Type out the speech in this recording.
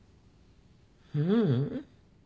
ううん。